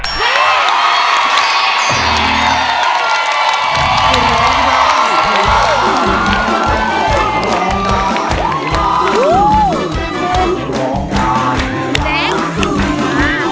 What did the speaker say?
ร้องได้ให้ดาย